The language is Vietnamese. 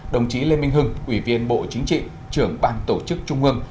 đồng chí lê minh hưng ủy viên bộ chính trị trưởng ban tổ chức trung ương